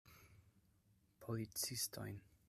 Policistojn.